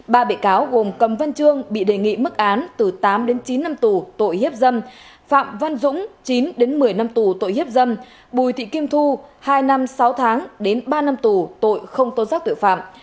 ba bị cáo gồm cầm văn trương bị đề nghị mức án từ tám đến chín năm tù tội hiếp dâm phạm văn dũng chín một mươi năm tù tội hiếp dâm bùi thị kim thu hai năm sáu tháng đến ba năm tù tội không tôn giác tội phạm